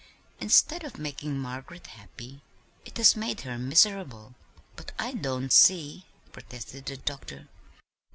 "Instead of making Margaret happy, it has made her miserable." "But I don't see," protested the doctor.